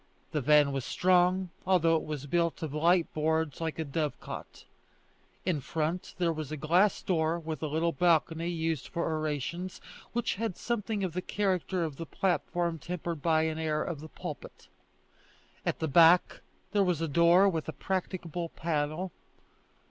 The van was strong, although it was built of light boards like a dove cot. In front there was a glass door with a little balcony used for orations, which had something of the character of the platform tempered by an air of the pulpit. At the back there was a door with a practicable panel.